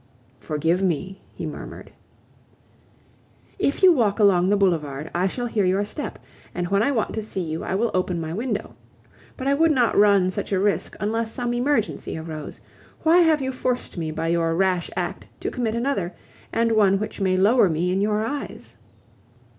"Forgive me," he murmured. "If you walk along the boulevard, I shall hear your step; and when I want to see you, I will open my window. But I would not run such a risk unless some emergency arose. Why have you forced me by your rash act to commit another, and one which may lower me in your eyes?"